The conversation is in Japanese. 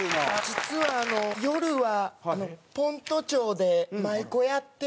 実はあの夜は先斗町で舞妓やってます。